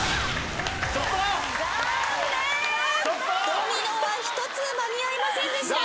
ドミノ１つ間に合いませんでした。